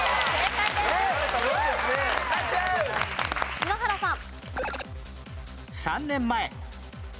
篠原さん。